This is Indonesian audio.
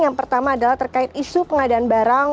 yang pertama adalah terkait isu pengadaan barang